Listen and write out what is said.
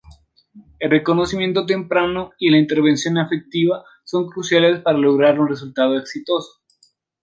El reconocimiento temprano y la intervención efectiva son cruciales para lograr un resultado exitoso.